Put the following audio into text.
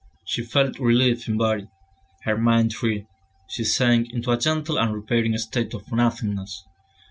She felt relieved in body, her mind free, she sank into a gentle and repairing state of nothingness.